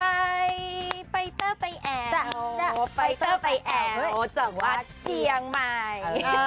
ไปไปเจ้อไปแอวไปเจ้อไปแอวจังหวัดเจียงใหม่